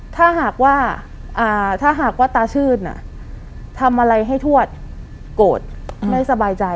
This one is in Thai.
ถ้าหากว่าตาชื่นทำอะไรให้ทวชโกรธไม่สบายใจ